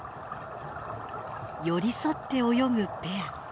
寄り添って泳ぐペア。